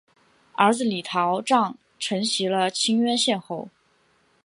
儿子李桃杖承袭了清渊县侯。